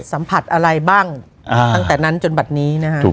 สัมผัสอะไรบ้างตั้งแต่นั้นจนบัตรนี้นะฮะ